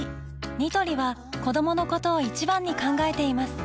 ニトリは子どものことを一番に考えています